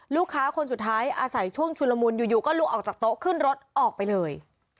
ลูกค้าคนสุดท้ายอาศัยช่วงชุลมุนอยู่ก็ลุกออกจากโต๊ะขึ้นรถออกไปเลย